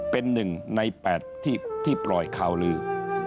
เป็นหนึ่งในแปดที่ปล่อยข่าวลือ